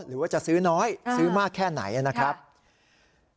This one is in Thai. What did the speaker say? หรือว่าจะซื้อน้อยซื้อมากแค่ไหนนะครับ